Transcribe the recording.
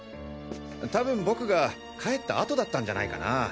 たぶん僕が帰った後だったんじゃないかな。